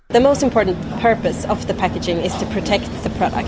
tujuan terpenting untuk packaging adalah untuk melindungi produk